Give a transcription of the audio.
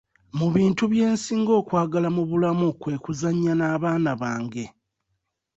Mu bintu bye nsinga okwagala mu bulamu kwe kuzannya n'abaana bange.